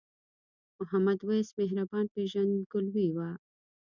محمد وېس مهربان پیژندګلوي وه.